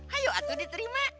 hayu atuh diterima